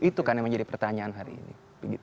itu kan yang menjadi pertanyaan hari ini